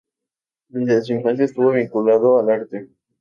Desde su infancia estuvo vinculado al arte.